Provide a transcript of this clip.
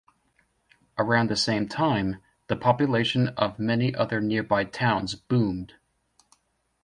Around the same time, the population of many other nearby towns boomed.